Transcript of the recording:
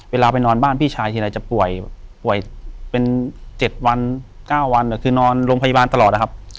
เวลาไปนอนบ้านพี่ชายทีไรจะป่วยป่วยเป็น๗วัน๙วันคือนอนโรงพยาบาลตลอดนะครับ